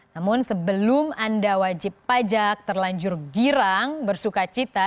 namun sebelum anda wajib pajak terlanjur girang bersuka cita